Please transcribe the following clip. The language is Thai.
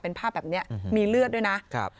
เป็นภาพแบบนี้มีเลือดด้วยนะครับ